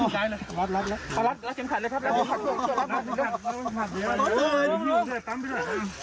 รับรัดฟังดู